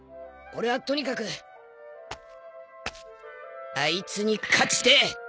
俺はとにかくあいつに勝ちてえ。